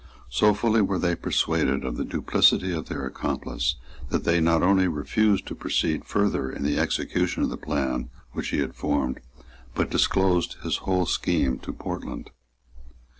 So fully were they persuaded of the duplicity of their accomplice, that they not only refused to proceed further in the execution of the plan which he had formed, but disclosed his whole scheme to Portland.